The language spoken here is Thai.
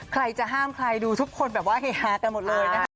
ใครจะห้ามใครดูทุกคนแบบว่าเฮฮากันหมดเลยนะคะ